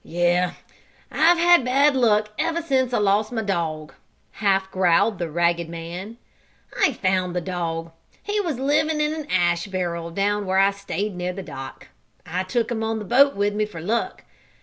"Yes, I've had bad luck ever since I lost my dog," half growled the ragged man. "I found the dog he was living in an ash barrel down where I stayed near the dock. I took him on the boat with me for luck.